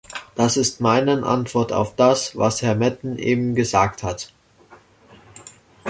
Das ist meinen Antwort auf das, was Herr Metten eben gesagt hat.